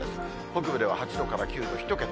北部では８度から９度、１桁。